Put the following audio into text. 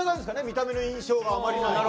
「見た目の印象があまりない」。